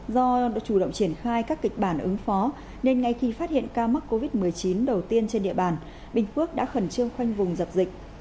do đã chủ động triển khai các kịch bản ứng phó nên ngay khi phát hiện ca mắc covid một mươi chín đầu tiên trên địa bàn bình phước đã khẩn trương khoanh vùng dập dịch